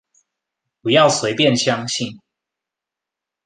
不要隨便相信